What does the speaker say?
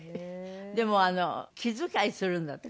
でも気遣いするんだって？